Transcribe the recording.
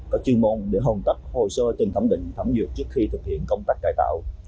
có chư môn để hồn tắt hồ sơ tình thẩm định thẩm duyệt trước khi thực hiện công tác cải tạo